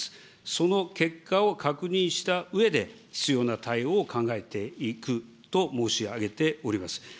その結果を確認したうえで、必要な対応を考えていくと申し上げております。